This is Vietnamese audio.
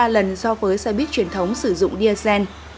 ba lần so với xe bít truyền thống sử dụng diagen